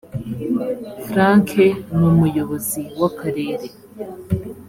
frank numuyobozi wakarere.